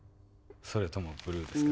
それともブルーですか？